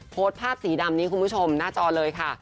โพสต์ภาพสีดำนี้คุณผู้ชมหน้าจอเลยค่ะ